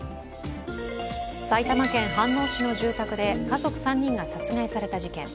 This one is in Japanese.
埼玉県飯能市の住宅で家族３人が殺害された事件。